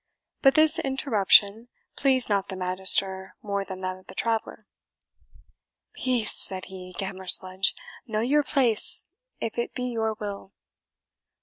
But this interruption pleased not the Magister more than that of the traveller. "Peace," said he, "Gammer Sludge; know your place, if it be your will.